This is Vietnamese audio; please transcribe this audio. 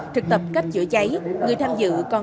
thực tập cách chữa cháy người tham dự còn